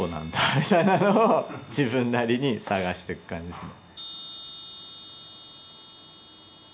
みたいなのを自分なりに探してく感じですね。